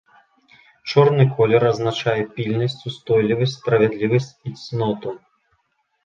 Чорны колер азначае пільнасць, устойлівасць, справядлівасць і цноту.